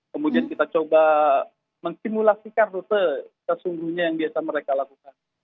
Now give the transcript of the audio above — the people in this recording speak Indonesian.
kemudian kita coba mensimulasikan rute sesungguhnya yang biasa mereka lakukan